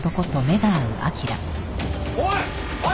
おい！